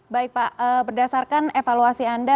baik pak berdasarkan evaluasi anda